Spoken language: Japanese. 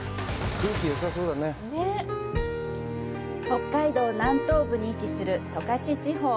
北海道南東部に位置する十勝地方。